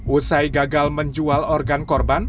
usai gagal menjual organ korban